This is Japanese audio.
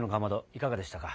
いかがでしたか。